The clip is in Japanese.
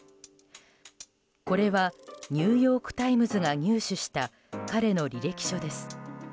これはニューヨーク・タイムズが入手した彼の履歴書です。